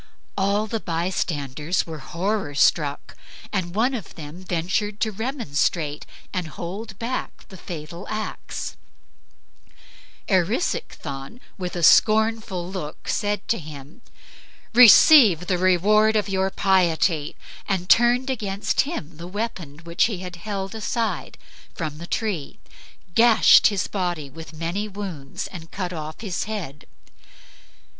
All the bystanders were horror struck, and one of them ventured to remonstrate and hold back the fatal axe. Erisichthon, with a scornful look, said to him, "Receive the reward of your piety;" and turned against him the weapon which he had held aside from the tree, gashed his body with many wounds, and cut off his head.